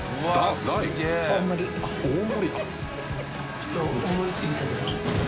ちょっと大盛り過ぎたで。